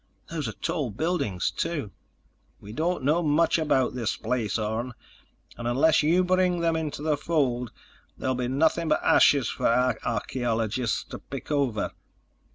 Those are tall buildings, too." "We don't know much about this place, Orne. And unless you bring them into the fold, there'll be nothing but ashes for our archaeologists to pick over."